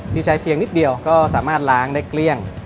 ที่ใช้เพียงนิดเดียวก็สามารถล้างได้เกลี้ยง